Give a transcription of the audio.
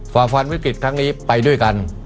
ฝ่าฝันธุรกิจครั้งนี้ไปด้วยกัน